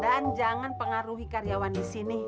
dan jangan pengaruhi karyawan di sini